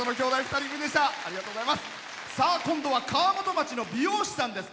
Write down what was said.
今度は川本町の美容師さんです。